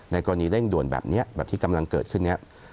กรณีเร่งด่วนแบบนี้แบบที่กำลังเกิดขึ้นนี้